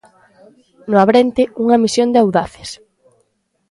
No abrente, unha misión de audaces.